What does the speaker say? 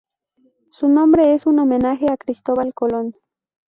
Su nombre es un homenaje a Cristóbal Colón.